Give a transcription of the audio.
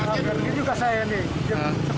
kagak juga saya nih